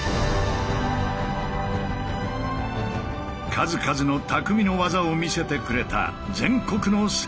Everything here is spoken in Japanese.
数々のたくみの技を見せてくれた全国の精鋭たち。